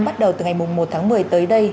bắt đầu từ ngày một tháng một mươi tới đây